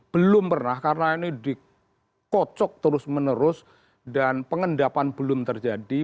belum pernah karena ini dikocok terus menerus dan pengendapan belum terjadi